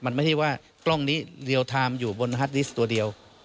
มันไม่ใช่ว่ากล้องนี้เรียลไทม์อยู่บนฮัตดิสต์ตัวเดียว